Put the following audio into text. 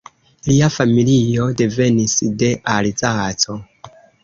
Lia familio devenis de Alzaco.